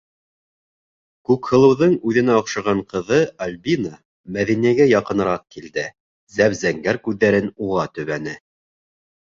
- Күкһылыуҙың үҙенә оҡшаған ҡыҙы Альбина, Мәҙинәгә яҡыныраҡ килде, зәп-зәңгәр күҙҙәрен уға төбәне.